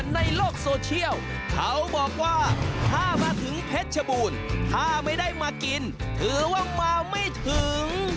ในโลกโซเชียลเขาบอกว่าถ้ามาถึงเพชรชบูรณ์ถ้าไม่ได้มากินถือว่ามาไม่ถึง